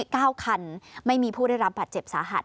เก้าคันไม่มีผู้ได้รับบาดเจ็บสาหัส